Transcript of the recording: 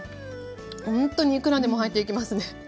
ほんとにいくらでも入っていきますね。